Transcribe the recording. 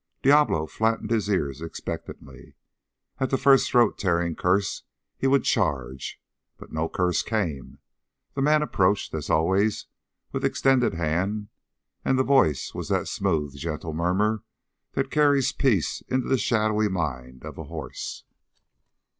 Diablo flattened his ears expectantly. At the first throat tearing curse he would charge. But no curse came. The man approached, as always, with extended hand, and the voice was the smooth, gentle murmur that carries peace into the shadowy mind of a horse.